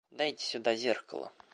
Дайте сюда зеркало.